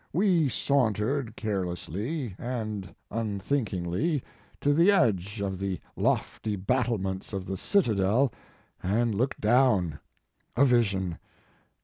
We sauntered carelessly and unthinkingly to the edge of the lofty battlements of the citadel, and looked down. A vision!